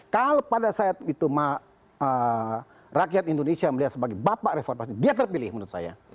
kalau pada saat itu rakyat indonesia melihat sebagai bapak reformasi dia terpilih menurut saya